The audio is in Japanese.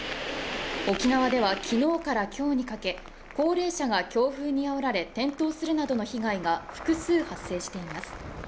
沖縄では昨日から今日にかけ、高齢者が強風にあおられ転倒するなどの被害が複数発生しています。